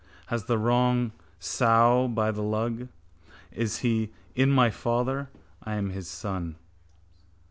Has the wrong sow by the lug. He is in my father. I am in his son.